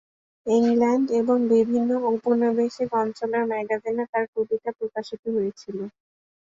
England এবং এর বিভিন্ন ঔপনিবেশিক অঞ্চলের ম্যাগাজিনে তার কবিতা প্রকাশিত হয়েছিল।